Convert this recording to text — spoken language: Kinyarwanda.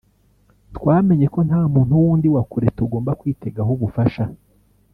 Twamenye ko nta muntu wundi wa kure tugomba kwitegaho ubufasha